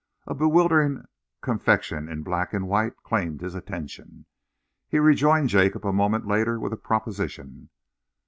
A bewildering confection in black and white claimed his attention. He rejoined Jacob a moment later with a proposition.